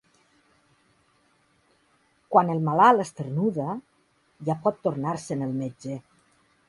Quan el malalt esternuda ja pot tornar-se'n el metge.